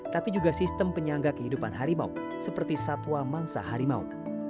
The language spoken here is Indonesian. tapi juga sistem penyangga kehidupan harimau seperti satwa mangsa harimau